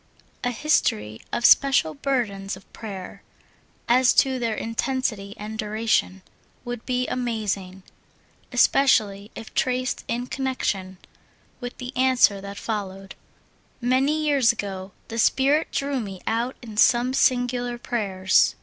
A history of special burdens of prayer, as to their in tensity and duration, would be amazing, especially if traced in connection with the answer that followed. BURDE^NS OF PRAYKR. I07 Many years ago the Spirit drew me out in some singular prayers.